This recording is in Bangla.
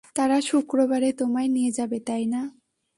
তারা শুক্রবারে তোমায় নিয়ে যাবে, তাই না?